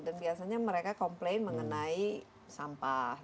dan biasanya mereka complain mengenai sampah